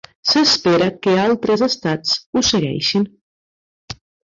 S'espera que altres estats ho segueixin.